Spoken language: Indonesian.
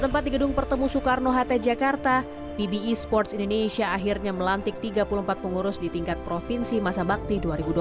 pbi sports indonesia baru saja melantik tiga puluh empat pengurusnya di tingkat provinsi masa bakti dua ribu dua puluh dua ribu dua puluh empat